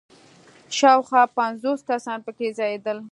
شاوخوا پنځوس کسان په کې ځایېدل.